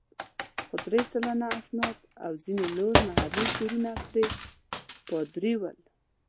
خو درې سلنه اسناد او ځینې نور محلي تورونه پر پادري ول.